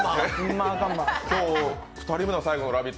今日、２人が最後「ラヴィット！」